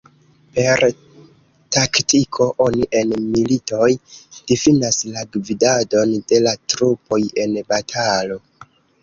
Per taktiko oni en militoj difinas la gvidadon de la trupoj en batalo.